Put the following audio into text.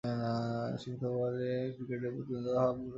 সীমিত ওভারে ক্রিকেটে প্রতিদ্বন্দ্বিতার ভাব গড়ে তুলে।